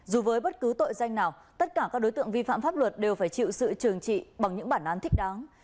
dù với bất cứ tội danh nào tất cả các đối tượng vi phạm pháp luật đều phải chịu sự trừng trị bằng những bản án thích đáng